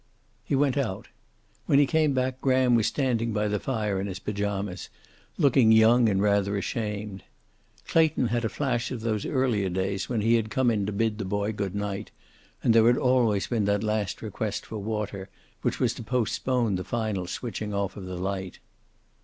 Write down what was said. He went out. When he came back, Graham was standing by the fire in his pajamas, looking young and rather ashamed. Clayton had a flash of those earlier days when he had come in to bid the boy good night, and there had always been that last request for water which was to postpone the final switching off of the light.